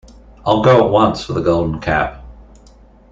I'll go at once for the Golden Cap.